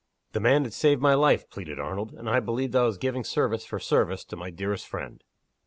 "The man had saved my life." pleaded Arnold "and I believed I was giving service for service to my dearest friend."